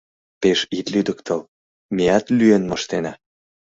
Пеш ит лӱдыктыл: меат лӱен моштена!